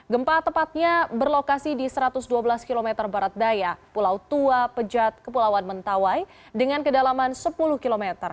gempa tepatnya berlokasi di satu ratus dua belas km barat daya pulau tua pejat kepulauan mentawai dengan kedalaman sepuluh km